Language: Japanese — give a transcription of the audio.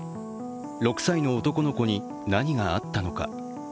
６歳の男の子に何があったのか。